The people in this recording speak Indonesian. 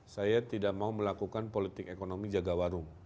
saya tidak mau melakukan politik ekonomi jaga warung